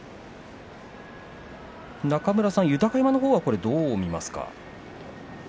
中村さん、豊山のほうはどう見ますか？